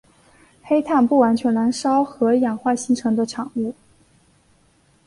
黑碳不完全燃烧和氧化形成的产物。